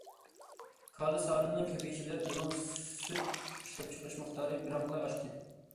كالا سانىنىڭ كۆپىيىشى بىلەن ئۇنىڭ سۈت ئىشلەپچىقىرىش مىقدارى بىراقلا ئاشتى.